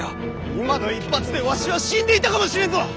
今の一発でわしは死んでいたかもしれんぞ！